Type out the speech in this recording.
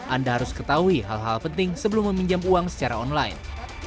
anda harus ketahui hal hal penting sebelum meminjam uang secara online